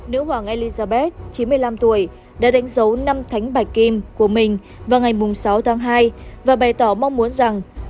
nữ hoàng elizabeth chín mươi năm tuổi đã đánh dấu năm thánh bạch kim của mình vào ngày sáu tháng hai và bày tỏ mong muốn rằng